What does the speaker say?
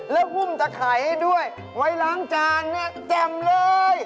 แล้วพุ่มจะขายให้ด้วยไว้ล้างจานแจ่มเลย